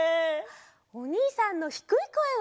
おにいさんのひくいこえは？